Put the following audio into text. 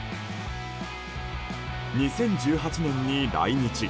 ２０１８年に来日。